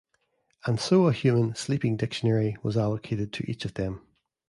And so a human "sleeping dictionary" was allocated to each of them.